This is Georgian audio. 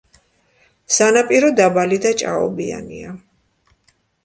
სანაპირო დაბალი და ჭაობიანია.